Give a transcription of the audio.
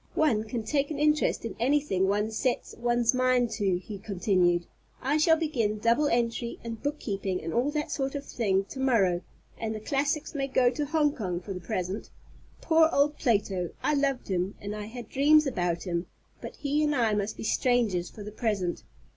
"One can take an interest in anything one sets one's mind to," he continued. "I shall begin double entry and bookkeeping and all that sort of thing to morrow, and the classics may go to Hong Kong for the present. Poor old Plato! I loved him, and I had dreams about him; but he and I must be strangers for the present.